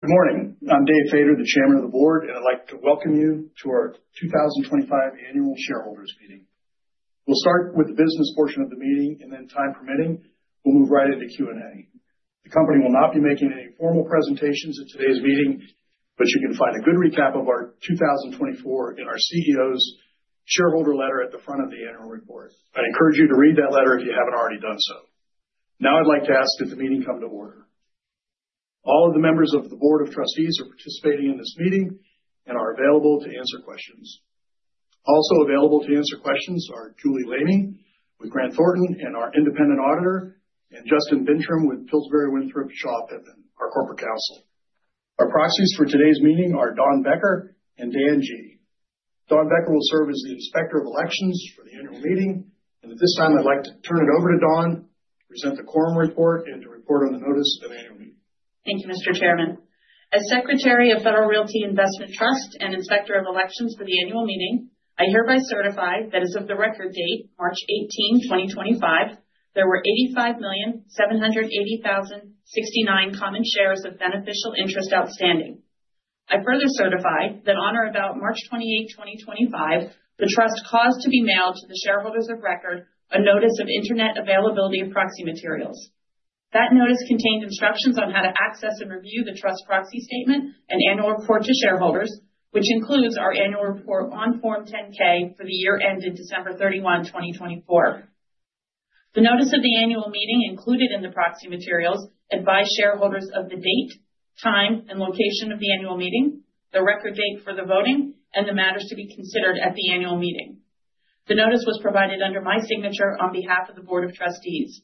Good morning. I'm Dave Fader, the Chairman of the Board, and I'd like to welcome you to our 2025 Annual Shareholders Meeting. We'll start with the business portion of the meeting, and then, time permitting, we'll move right into Q&A. The company will not be making any formal presentations at today's meeting, but you can find a good recap of our 2024 in our CEO's shareholder letter at the front of the Annual Report. I'd encourage you to read that letter if you haven't already done so. Now, I'd like to ask that the meeting come to order. All of the members of the Board of Trustees are participating in this meeting and are available to answer questions. Also available to answer questions are Julie Lamey with Grant Thornton, and our independent auditor, and Justin Bintrim with Pillsbury Winthrop Shaw Pittman, our corporate counsel. Our proxies for today's meeting are Don Becker and Dan Gee. Don Becker will serve as the Inspector of Elections for the Annual Meeting, and at this time, I'd like to turn it over to Don to present the Quorum Report and to report on the Notice of Annual Meeting. Thank you, Mr. Chairman. As Secretary of Federal Realty Investment Trust and Inspector of Elections for the Annual Meeting, I hereby certify that as of the record date, March 18, 2025, there were 85,780,069 common shares of beneficial interest outstanding. I further certify that on or about March 28, 2025, the Trust caused to be mailed to the shareholders of record a Notice of Internet Availability of Proxy Materials. That notice contained instructions on how to access and review the Trust proxy statement and annual report to shareholders, which includes our Annual Report on Form 10-K for the year ended December 31, 2024. The Notice of the Annual Meeting included in the proxy materials advise shareholders of the date, time, and location of the Annual Meeting, the record date for the voting, and the matters to be considered at the Annual Meeting. The notice was provided under my signature on behalf of the Board of Trustees.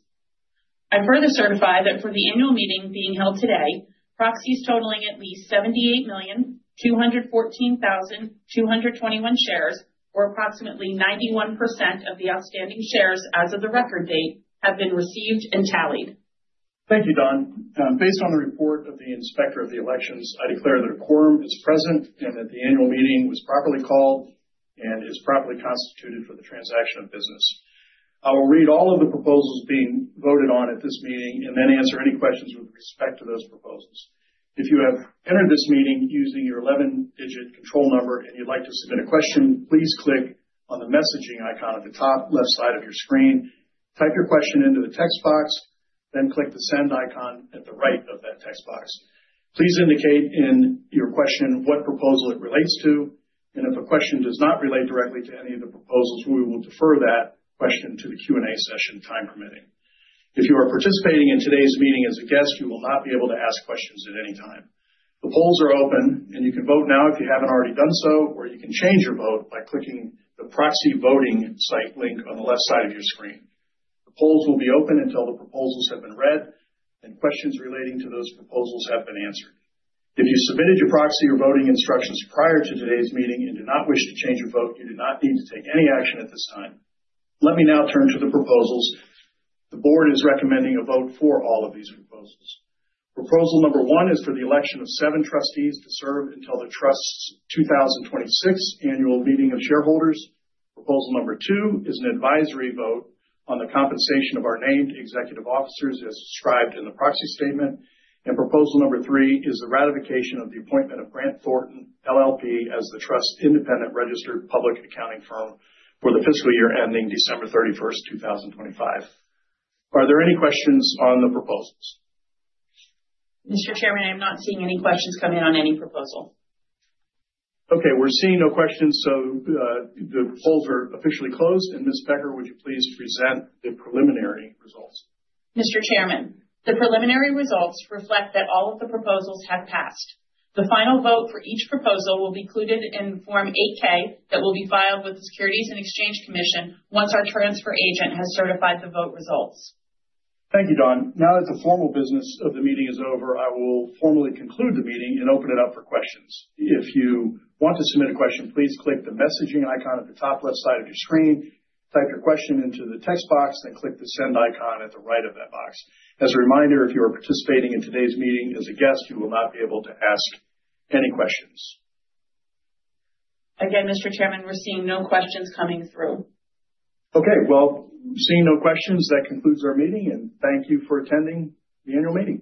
I further certify that for the Annual Meeting being held today, proxies totaling at least 78,214,221 shares, or approximately 91% of the outstanding shares as of the record date, have been received and tallied. Thank you, Don. Based on the report of the Inspector of Elections, I declare that a quorum is present and that the Annual Meeting was properly called and is properly constituted for the transaction of business. I will read all of the proposals being voted on at this meeting and then answer any questions with respect to those proposals. If you have entered this meeting using your 11-digit control number and you'd like to submit a question, please click on the messaging icon at the top left side of your screen, type your question into the text box, then click the send icon at the right of that text box. Please indicate in your question what proposal it relates to, and if a question does not relate directly to any of the proposals, we will defer that question to the Q&A session, time permitting. If you are participating in today's meeting as a guest, you will not be able to ask questions at any time. The polls are open, and you can vote now if you haven't already done so, or you can change your vote by clicking the proxy voting site link on the left side of your screen. The polls will be open until the proposals have been read, and questions relating to those proposals have been answered. If you submitted your proxy or voting instructions prior to today's meeting and do not wish to change your vote, you do not need to take any action at this time. Let me now turn to the proposals. The Board is recommending a vote for all of these proposals. Proposal number one is for the election of seven trustees to serve until the Trust's 2026 Annual Meeting of Shareholders. Proposal number two is an advisory vote on the compensation of our named executive officers as described in the proxy statement, and proposal number three is the ratification of the appointment of Grant Thornton LLP as the Trust's independent registered public accounting firm for the fiscal year ending December 31, 2025. Are there any questions on the proposals? Mr. Chairman, I am not seeing any questions come in on any proposal. Okay. We're seeing no questions, so the polls are officially closed. Ms. Becker, would you please present the preliminary results? Mr. Chairman, the preliminary results reflect that all of the proposals have passed. The final vote for each proposal will be included in Form 8-K that will be filed with the Securities and Exchange Commission once our transfer agent has certified the vote results. Thank you, Don. Now that the formal business of the meeting is over, I will formally conclude the meeting and open it up for questions. If you want to submit a question, please click the messaging icon at the top left side of your screen, type your question into the text box, then click the send icon at the right of that box. As a reminder, if you are participating in today's meeting as a guest, you will not be able to ask any questions. Again, Mr. Chairman, we're seeing no questions coming through. Okay. Seeing no questions, that concludes our meeting, and thank you for attending the Annual Meeting.